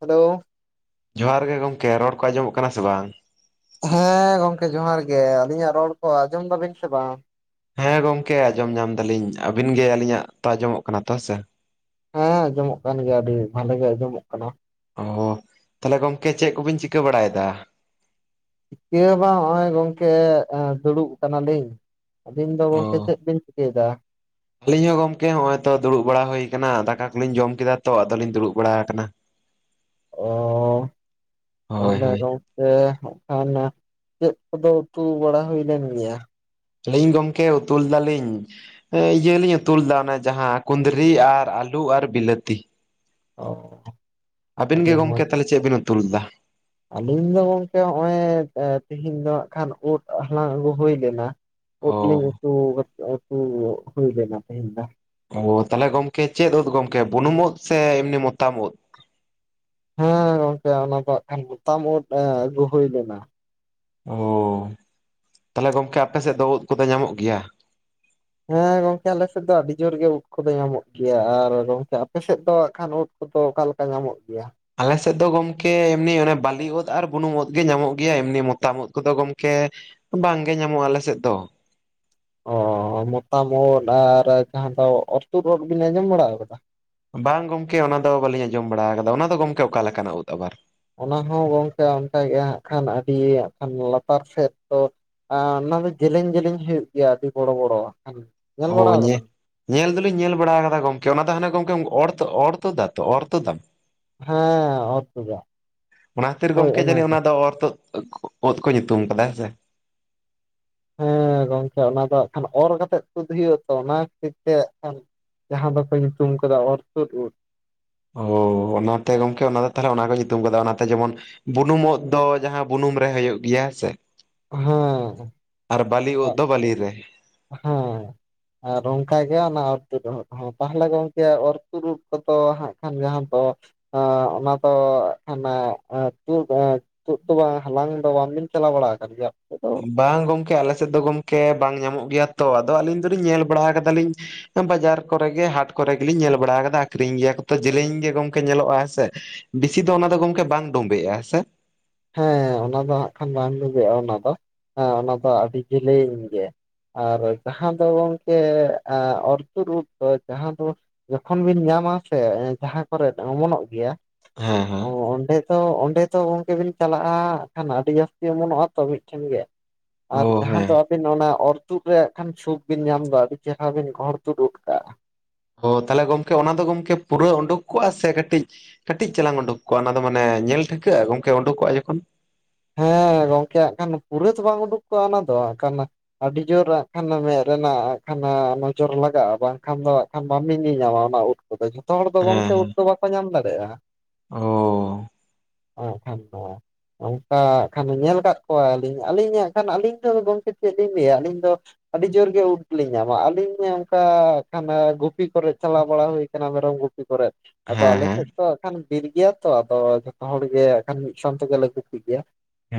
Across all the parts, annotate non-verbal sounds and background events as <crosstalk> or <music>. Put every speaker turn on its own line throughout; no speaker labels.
Hello.
ᱡᱚᱦᱟᱨ ᱜᱮ ᱜᱚᱝᱠᱮ ᱨᱚᱲ ᱠᱚ ᱟᱸᱡᱚᱢᱚᱜ ᱠᱟᱱᱟ ᱥᱮ ᱵᱟᱝ?
ᱦᱮᱸ ᱜᱚᱝᱠᱮ ᱡᱚᱦᱟᱨ ᱜᱮ ᱟᱹᱞᱤᱧᱟᱜ ᱨᱚᱲ ᱠᱚ ᱟᱸᱡᱚᱢ ᱫᱟᱵᱤᱱ ᱥᱮ ᱵᱟᱝ?
ᱦᱮᱸ ᱜᱚᱝᱠᱮ ᱟᱸᱡᱚᱢ ᱧᱟᱢ ᱫᱟᱞᱤᱧ ᱟᱵᱤᱱ ᱜᱮ ᱟᱹᱞᱤᱧᱟᱜ ᱛᱚ ᱟᱸᱡᱚᱢᱚᱜ ᱠᱟᱱᱟ ᱛᱚ ᱦᱮᱸ ᱥᱮ?
ᱦᱮᱸ ᱟᱡᱚᱢᱚᱜ ᱠᱟᱱ ᱜᱮᱭᱟ ᱟᱹᱰᱤ ᱵᱷᱟᱞᱮ ᱜᱮ ᱟᱸᱡᱚᱢᱚᱜ ᱠᱟᱱᱟ᱾
ᱚ ᱛᱟᱦᱚᱞᱮ ᱜᱚᱢᱠᱮ ᱪᱮᱫ ᱠᱚᱵᱤᱱ ᱪᱤᱠᱟᱹ ᱵᱟᱲᱟᱭᱮᱫᱟ?
ᱪᱤᱠᱟᱹ ᱦᱚᱸ ᱵᱟᱝ ᱦᱚᱸᱜᱼᱚᱭ ᱜᱚᱝᱠᱮ ᱫᱩᱲᱩᱵ ᱠᱟᱱᱟᱞᱤᱧ᱾ ᱟᱵᱤᱱ ᱫᱚ ᱜᱚᱝᱠᱮ ᱪᱮᱫ ᱵᱤᱱ ᱪᱤᱠᱟᱹᱭ ᱫᱟ?
ᱟᱞᱤᱧ ᱦᱚᱸ ᱜᱚᱢᱠᱮ ᱦᱚᱸᱜᱼᱚᱭ ᱛᱚ ᱫᱩᱲᱩᱵ ᱵᱟᱲᱟ ᱦᱩᱭ ᱟᱠᱟᱱᱟ᱾ ᱫᱟᱠᱟ ᱠᱚᱞᱤᱧ ᱡᱚᱢ ᱠᱮᱫᱟ ᱛᱚ ᱟᱫᱚᱞᱤᱧ ᱫᱩᱲᱩᱵ ᱵᱟᱲᱟ ᱟᱠᱟᱱᱟ᱾
ᱚ
ᱦᱳᱭ
ᱛᱟᱦᱚᱞᱮ
ᱦᱳᱭ
ᱜᱚᱢ ᱠᱮ ᱦᱟᱸᱜ ᱠᱷᱟᱱ ᱪᱮᱫ ᱠᱚᱫᱚ ᱩᱛᱩ ᱵᱟᱲᱟ ᱦᱩᱭ ᱞᱮᱱ ᱜᱮᱭᱟ?
ᱟᱞᱤᱧ ᱜᱚᱢᱠᱮ ᱩᱛᱩ ᱞᱮᱫᱟᱞᱤᱧ ᱮ ᱤᱭᱟᱹ ᱞᱤᱧ ᱩᱛᱩ ᱞᱮᱫᱟ ᱚᱱᱮ ᱡᱟᱦᱟᱸ ᱠᱩᱫᱽᱨᱤ ᱟᱨ ᱟᱞᱩ ᱟᱨ ᱵᱤᱞᱟᱹᱛᱤ᱾
ᱚ
ᱟᱵᱤᱱ
ᱟᱹᱰᱤ
ᱜᱮ ᱜᱚᱝᱠᱮ
ᱢᱚᱸᱡᱽ
ᱛᱟᱦᱞᱮ ᱪᱮᱫ ᱵᱤᱱ ᱩᱛᱩ ᱞᱮᱫᱟ?
ᱟᱹᱞᱤᱧ ᱫᱚ ᱜᱚᱝᱠᱮ ᱦᱚᱸᱜᱼᱚᱭ ᱮᱸ ᱛᱤᱦᱤᱧ ᱫᱚ ᱦᱟᱸᱜ ᱠᱷᱟᱱ ᱩᱫ ᱦᱟᱞᱟᱝ ᱟᱹᱜᱩ ᱦᱩᱭ ᱞᱮᱱᱟ᱾
ᱚ
ᱩᱫ ᱞᱤᱧ ᱩᱛᱩ ᱩᱛᱩ ᱠᱟᱫᱟ ᱛᱮᱦᱮᱧ ᱫᱚ।
ᱚ ᱛᱟᱦᱚᱞᱮ ᱜᱚᱢᱠᱮ ᱪᱮᱫ ᱳᱫᱽ ᱜᱚᱢᱠᱮ ᱵᱩᱱᱩᱢ ᱳᱫᱽ ᱥᱮ ᱮᱢᱱᱤ ᱢᱚᱛᱟᱢ ᱳᱫᱽ?
ᱦᱮᱸ ᱜᱚᱝᱠᱮ ᱚᱱᱟ ᱫᱚ ᱦᱟᱸᱜ ᱠᱷᱟᱱ ᱢᱚᱛᱟᱢ ᱳᱫᱽ ᱟᱹᱜᱩ ᱦᱩᱭ ᱞᱮᱱᱟ᱾
ᱳ ᱛᱟᱦᱚᱞᱮ ᱜᱚᱝᱠᱮ ᱟᱯᱮ ᱥᱮᱫ ᱫᱚ ᱳᱫᱽ ᱠᱚᱫᱚ ᱧᱟᱢᱚᱜ ᱜᱮᱭᱟ?
ᱦᱮᱸ ᱜᱚᱝᱠᱮ ᱟᱞᱮ ᱥᱮᱫ ᱫᱚ ᱟᱹᱰᱤ ᱡᱳᱨ ᱜᱮ ᱳᱫᱽ ᱠᱚᱫᱚ ᱧᱟᱢᱚᱜ ᱜᱮᱭᱟ ᱟᱨ ᱜᱚᱢᱠᱮ ᱟᱯᱮ ᱥᱮᱫ ᱫᱚ ᱦᱟᱸᱜ ᱠᱷᱟᱱ ᱳᱫᱽ? ᱠᱚᱫᱚ ᱚᱠᱟ ᱞᱮᱠᱟ ᱧᱟᱢᱚᱜ ᱜᱮᱭᱟ?
ᱟᱞᱮ ᱥᱮᱫ ᱫᱚ ᱜᱚᱢᱠᱮ ᱮᱢᱱᱤ ᱚᱱᱟ ᱵᱟᱹᱞᱤ ᱳᱫᱽ ᱟᱨ ᱵᱩᱱᱩᱢ ᱳᱫᱽ ᱜᱮ ᱧᱟᱢᱚᱜ ᱜᱮᱭᱟ ᱮᱢᱱᱤ ᱢᱚᱛᱟᱢ ᱳᱫᱽ ᱠᱚᱫᱚ ᱜᱚᱢᱠᱮ ᱵᱟᱝ ᱜᱮ ᱧᱟᱢᱚᱜᱼᱟ ᱟᱞᱮᱥᱮᱫ ᱫᱚ᱾
ᱚ ᱢᱚᱛᱟᱢ ᱳᱫᱽ ᱟᱨ ᱡᱟᱦᱟᱸ ᱫᱚ ᱚᱨ ᱛᱩᱫ ᱳᱫᱽ ᱵᱤᱱ ᱟᱸᱡᱚᱢ ᱵᱟᱲᱟ ᱟᱠᱟᱫᱟ?
ᱵᱟᱝ ᱜᱚᱢᱠᱮ ᱚᱱᱟ ᱫᱚ ᱵᱟᱹᱞᱤᱧ ᱟᱸᱡᱚᱢ ᱵᱟᱲᱟ ᱟᱠᱟᱫᱟ ᱚᱱᱟ ᱫᱚ ᱜᱚᱢᱠᱮ ᱚᱠᱟ ᱞᱮᱠᱟᱱᱟᱜ ᱳᱫᱽ ᱟᱵᱟᱨ?
ᱚᱱᱟ ᱦᱚᱸ ᱜᱚᱝᱠᱮ ᱚᱱᱠᱟᱜᱮ ᱦᱟᱸᱜ ᱠᱷᱟᱱ ᱟᱹᱰᱤ ᱦᱟᱸᱜ ᱠᱷᱟᱱ ᱞᱟᱛᱟᱨ ᱥᱮᱫ ᱫᱚ ᱚᱱᱟ ᱫᱚ ᱡᱮᱞᱮᱧ ᱡᱮᱞᱮᱧ ᱦᱩᱭᱩᱜ ᱜᱮᱭᱟ ᱟᱹᱰᱤ ᱵᱚᱲᱚ ᱵᱚᱲᱚ ᱦᱟᱜᱠᱷᱟᱱ᱾
ᱦᱳ ᱦᱳ ᱟᱧᱟ ᱧᱮᱞ ᱫᱚᱞᱤᱧ ᱧᱮᱞ ᱵᱟᱲᱟ ᱟᱠᱟᱫᱟ ᱜᱚᱝᱠᱮ ᱚᱱᱟ ᱫᱚ ᱦᱟᱱᱮ ᱜᱚᱝᱠᱮ ᱚᱨ ᱛᱚ ᱚᱨ ᱛᱚᱫᱟ ᱛᱚ ᱚᱨ ᱛᱚᱫᱟᱢ?
ᱦᱮᱸ ᱚᱨᱛᱩᱫ ᱟᱜ
ᱚᱱᱟ ᱠᱷᱟᱹᱛᱤᱨ
ᱦᱳᱭ
ᱜᱚᱝᱠᱮ ᱡᱟᱹᱱᱤᱡ
ᱚᱱᱟᱜᱮ᱾
ᱚᱱᱟ ᱫᱚ ᱚᱨ ᱛᱳᱫ ᱳᱫᱽ ᱠᱚ ᱧᱩᱛᱩᱢ ᱟᱠᱟᱫᱟ ᱦᱮᱸ ᱥᱮ᱾
ᱦᱮᱸ ᱜᱚᱢᱠᱮ ᱚᱱᱟ ᱫᱚ ᱦᱟᱸᱜ ᱠᱷᱟᱱ ᱚᱨ ᱠᱟᱛᱮᱜ ᱛᱩᱫ ᱦᱩᱭᱩᱜ ᱟ ᱛᱚ ᱚᱱᱟ ᱠᱷᱟᱹᱛᱤᱨ ᱛᱮ ᱦᱟᱸᱜ ᱠᱷᱟᱱ ᱡᱟᱦᱟᱸ ᱫᱚᱠᱚ ᱧᱩᱛᱩᱢ ᱟᱠᱟᱫᱟ ᱚᱨ ᱛᱳᱫ ᱳᱫᱽ᱾
ᱚ ᱚᱱᱟᱛᱮ ᱜᱚᱝᱠᱮ ᱚᱱᱟ ᱫᱚ ᱛᱟᱦᱚᱞᱮ ᱚᱱᱟ ᱠᱚ ᱧᱩᱛᱩᱢ ᱠᱟᱫᱟ ᱚᱱᱟᱛᱮ ᱡᱮᱢᱚᱱ ᱵᱩᱱᱩᱢ ᱳᱫᱽ ᱫᱚ ᱡᱟᱦᱟᱸ ᱵᱩᱱᱩᱢ ᱨᱮ ᱦᱩᱭᱩᱜ ᱜᱮᱭᱟ ᱦᱮᱸ ᱥᱮ᱾
ᱦᱮᱸ
ᱟᱨ ᱵᱟᱞᱤ ᱳᱫᱽ ᱫᱚ ᱵᱟᱞᱤ ᱨᱮ᱾
ᱦᱮᱸ᱾ ᱟᱨ ᱚᱱᱠᱟ ᱜᱮ ᱚᱱᱟ ᱚᱨ ᱛᱳᱫ ᱳᱫᱽ ᱦᱚᱸ ᱛᱟᱦᱚᱞᱮ ᱜᱚᱝᱠᱮ ᱚᱨ ᱛᱳᱫ ᱳᱫᱽ ᱠᱚᱫᱚ ᱦᱟᱸᱜ ᱠᱷᱟᱱ ᱡᱟᱦᱟᱸ ᱫᱚ ᱚᱱᱟ ᱫᱚ ᱦᱟᱸᱜ ᱠᱷᱟᱱ <inaudible> ᱛᱳᱫ ᱫᱚ ᱵᱟᱝ ᱦᱟᱞᱟᱝ ᱫᱚ ᱵᱟᱝᱵᱤᱱ ᱪᱟᱞᱟᱣ ᱵᱟᱲᱟ ᱟᱠᱟᱱ ᱜᱮᱭᱟ? ᱫᱚ
ᱵᱟᱝ ᱜᱚᱝᱠᱮ ᱟᱞᱮ ᱥᱮᱫ ᱫᱚ ᱜᱚᱝᱠᱮ ᱵᱟᱝ ᱧᱟᱢᱚᱜ ᱜᱮᱭᱟ ᱛᱚ ᱟᱫᱚ ᱟᱹᱞᱤᱧ ᱫᱚᱞᱤᱧ ᱧᱮᱞ ᱵᱟᱲᱟ ᱠᱟᱫᱟᱞᱤᱧ᱾ ᱵᱟᱡᱟᱨ ᱠᱚᱨᱮ ᱜᱮ ᱦᱟᱴ ᱠᱚᱨᱮ ᱜᱮᱞᱤᱧ ᱧᱮᱞ ᱵᱟᱲᱟ ᱟᱠᱟᱫᱟ ᱟᱠᱷᱨᱤᱧ ᱜᱮᱭᱟ ᱠᱚ ᱛᱚ ᱡᱮᱞᱮᱧ ᱜᱮ ᱜᱚᱝᱠᱮ ᱧᱮᱞᱚᱜᱼᱟ ᱦᱮᱸ ᱥᱮ᱾ ᱵᱤᱥᱤ ᱫᱚ ᱚᱱᱟ ᱫᱚ ᱜᱚᱢᱠᱮ ᱵᱟᱝ ᱰᱳᱢᱵᱮᱜᱼᱟ ᱦᱮᱸ ᱥᱮ?
ᱦᱮᱸ ᱚᱱᱟ ᱫᱚ ᱦᱟᱸᱜ ᱠᱷᱟᱱ ᱵᱟᱝ ᱰᱳᱵᱮᱜᱼᱟ ᱚᱱᱟ ᱫᱚ ᱦᱮᱸ ᱚᱱᱟ ᱫᱚ ᱟᱹᱰᱤ ᱡᱮᱞᱮᱧ ᱜᱮ᱾ ᱟᱨ ᱡᱟᱦᱟᱸ ᱫᱚ ᱜᱚᱝᱠᱮ ᱮᱸ ᱚᱨ ᱛᱩᱫ ᱩᱫ ᱠᱚ ᱡᱟᱦᱟᱸ ᱫᱚ ᱡᱚᱠᱷᱚᱱ ᱵᱤᱱ ᱧᱟᱢᱟ ᱥᱮ ᱡᱟᱦᱟᱸ ᱠᱚᱨᱮᱫ ᱚᱢᱚᱱᱚᱜ ᱜᱮᱭᱟ
ᱦᱮᱸ
ᱚ
ᱦᱮᱸ
ᱚᱸᱰᱮ ᱫᱚ ᱚᱸᱰᱮ ᱛᱚ ᱜᱚᱢᱠᱮ ᱵᱤᱱ ᱪᱟᱞᱟᱜᱼᱟ ᱦᱟᱸᱜ ᱠᱷᱟᱱ ᱟᱹᱰᱤ ᱡᱟᱹᱥᱛᱤ ᱚᱢᱚᱱᱚᱜᱼᱟ ᱛᱚ ᱢᱤᱫᱴᱷᱮᱱ ᱜᱮ
ᱚ
ᱟᱨ ᱡᱟᱦᱟᱸ
ᱦᱮᱸ
ᱫᱚ ᱟᱹᱵᱤᱱ ᱚᱱᱟ ᱚᱨ ᱛᱩᱫ ᱨᱮ ᱦᱟᱸᱜ ᱠᱷᱟᱱ ᱪᱷᱩᱠ ᱵᱤᱱ ᱧᱟᱢ ᱫᱚ ᱟᱹᱰᱤ ᱪᱮᱦᱨᱟ ᱵᱤᱱ ᱜᱚᱦᱚᱲ ᱛᱩᱫ ᱜᱚᱫ ᱠᱟᱜᱼᱟ᱾
ᱚ ᱛᱟᱦᱚᱞᱮ ᱜᱚᱢᱠᱮ ᱚᱱᱟ ᱫᱚ ᱜᱚᱢᱠᱮ ᱯᱩᱨᱟᱹ ᱳᱰᱳᱠ ᱠᱚᱜᱼᱟ ᱥᱮ ᱠᱟᱹᱴᱤᱡ ᱠᱟᱹᱴᱤᱡ ᱪᱟᱞᱟᱜ ᱩᱰᱩᱠ ᱠᱚᱜᱼᱟ ᱚᱱᱟ ᱫᱚ ᱢᱟᱱᱮ ᱧᱮᱞ ᱴᱷᱤᱠᱟᱹᱜᱼᱟ ᱜᱚᱝᱠᱮ ᱩᱰᱩᱠᱚᱜᱼᱟ ᱡᱚᱠᱷᱚᱱ?
ᱦᱮᱸ ᱜᱚᱝᱠᱮ ᱦᱟᱸᱜ ᱠᱷᱟᱱ ᱯᱩᱨᱟᱹ ᱛᱚ ᱵᱟᱝ ᱩᱰᱩᱠ ᱠᱚᱜᱼᱟ ᱚᱱᱟ ᱫᱚ ᱦᱟᱸᱜ ᱠᱷᱟᱱ ᱟᱹᱰᱤ ᱡᱳᱨ ᱦᱟᱸᱜ ᱠᱷᱟᱱ ᱚᱱᱟ ᱢᱮᱸᱫ ᱨᱮᱱᱟᱜ ᱦᱟᱸᱜ ᱠᱷᱟᱱ ᱱᱚᱡᱚᱨ ᱞᱟᱜᱟᱜᱼᱟ ᱵᱟᱝᱠᱷᱟᱱ ᱫᱚ ᱦᱟᱸᱜ ᱠᱷᱟᱱ ᱵᱟᱢ ᱧᱤᱧᱟᱢᱟ ᱚᱱᱟ ᱳᱫᱽ ᱛᱚᱵᱮ ᱡᱷᱚᱛᱚ ᱦᱚᱲ ᱫᱚ
ᱦᱮᱸ
ᱜᱚᱢᱠᱮ ᱳᱫᱽ
ᱦᱮᱸ
ᱫᱚ ᱵᱟᱠᱚ ᱧᱟᱢ ᱫᱟᱲᱮᱭᱟᱜᱼᱟ᱾
ᱚ
ᱦᱟᱸᱜ ᱠᱷᱟᱱ ᱠᱚ ᱮ ᱦᱟᱸᱜ ᱠᱷᱟᱱ ᱧᱮᱞ ᱠᱚᱣᱟᱞᱤᱧ ᱟᱹᱞᱤᱧ, ᱟᱹᱞᱤᱧ ᱦᱟᱸᱜ ᱠᱷᱟᱱ ᱟᱹᱞᱤᱧ ᱫᱚ ᱜᱚᱝᱠᱮ ᱪᱮᱫ ᱞᱤᱧ ᱞᱟᱹᱭᱟ ᱟᱹᱞᱤᱧ ᱫᱚ ᱟᱹᱰᱤ ᱡᱳᱨ ᱜᱮ ᱩᱫ ᱞᱤᱧ ᱧᱟᱢᱟ ᱟᱹᱞᱤᱧ ᱚᱱᱠᱟ ᱦᱟᱸᱜ ᱠᱷᱟᱱ ᱜᱩᱯᱤ ᱠᱚᱨᱮ ᱪᱟᱞᱟᱣ ᱦᱩᱭ ᱟᱠᱟᱱᱟ ᱢᱮᱨᱚᱢ ᱜᱩᱯᱤ ᱜᱩᱞᱤ ᱠᱚᱨᱮᱫ ᱟᱫᱚ
ᱦᱮᱸ
ᱟᱞᱮ
ᱦᱮᱸ
ᱥᱮᱫ ᱫᱚ ᱦᱟᱸᱜ ᱠᱷᱟᱱ ᱵᱤᱨ ᱜᱮᱭᱟ ᱛᱚ ᱟᱫᱚ ᱡᱷᱚᱛᱚ ᱦᱚᱲ ᱜᱮ ᱦᱟᱸᱜ ᱠᱷᱟᱱ ᱢᱤᱫ ᱥᱚᱝ ᱛᱮᱜᱮᱞᱮ ᱜᱩᱛᱤ ᱜᱮᱭᱟ᱾